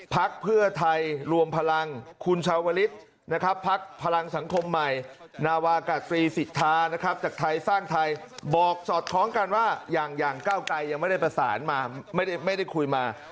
พักเพื่อไทยรวมพลังคุณชาวลิศนะครับพักพลังสังคมใหม่นาวากาศรีสิทธานะครับจากไทยสร้างไทยบอกสอดคล้องกันว่าอย่างก้าวไกรยังไม่ได้ประสานมาไม่ได้คุยมา